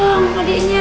urus dong adeknya